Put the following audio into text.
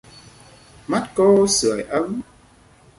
Mắt cô sưởi ấm